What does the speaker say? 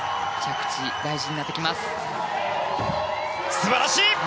素晴らしい！